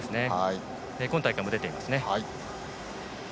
今大会も出ていますね。